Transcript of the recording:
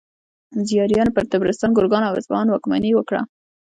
زیاریانو پر طبرستان، ګرګان او اصفهان واکمني وکړه.